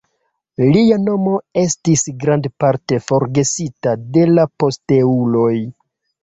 Lia nomo estis grandparte forgesita de la posteuloj.